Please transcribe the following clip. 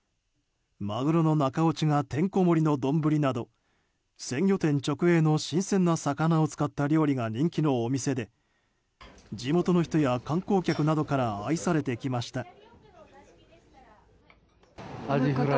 マグロの中落ちがてんこ盛りの丼など鮮魚店直営の新鮮な魚を使った料理が人気のお店で地元の人や観光客などから愛されてきました。